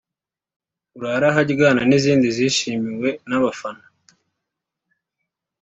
‘Urare aharyana’ n’izindi zishimiwe n’abafana